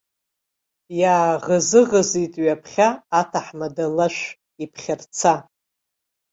Иааӷызыӷызит ҩаԥхьа аҭаҳмада лашә иԥхьарца.